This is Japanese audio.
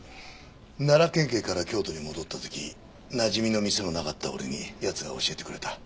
奈良県警から京都に戻った時なじみの店のなかった俺に奴が教えてくれた。